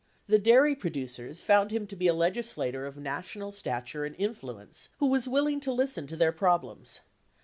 The dairy producers found him to be a legislator of national stature and influence who was willing to listen to their prob lems.